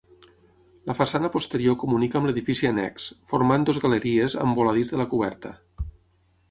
La façana posterior comunica amb l'edifici annex, formant dues galeries amb voladís de la coberta.